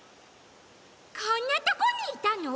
こんなとこにいたの？